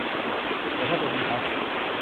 แต่ถ้าเป็นอิลัส